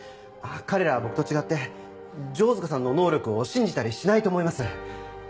彼らは僕と違って城塚さんの能力を信じたりしないと思います。